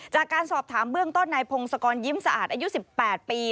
จากการสอบถามเบื้องต้นนายพงศกรยิ้มสะอาดอายุ๑๘ปี